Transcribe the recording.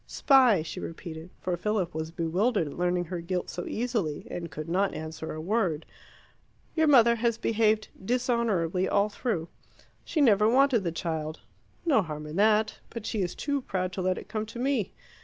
"Spy," she repeated, for Philip was bewildered at learning her guilt so easily, and could not answer a word. "Your mother has behaved dishonourably all through. She never wanted the child; no harm in that; but she is too proud to let it come to me.